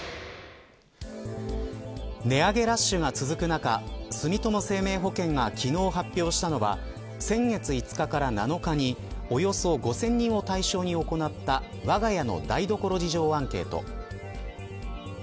中住友生命保険が昨日発表したのは先月５日から７日におよそ５０００人を対象に行ったわが家の台所事情アンケート。